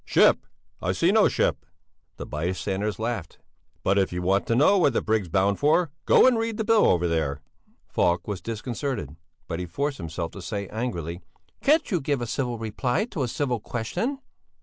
"Ship? I see no ship?" The bystanders laughed. "But if you want to know where this brig's bound for, go and read that bill over there!" Falk was disconcerted, but he forced himself to say, angrily: "Can't you give a civil reply to a civil question?"